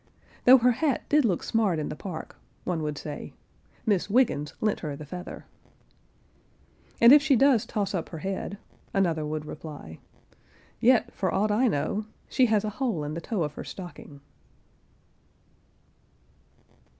"Though her hat did look smart in the park," one would say, "Miss Wiggens lent her the feather." "And if she does toss up[Pg 55] her head," another would reply, "yet, for aught I know, she has a hole in the toe of her stocking."